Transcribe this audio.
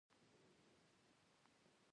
دا د ژوند بار نه دی چې ستا ملا در ماتوي.